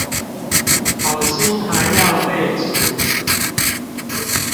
好心還要被質疑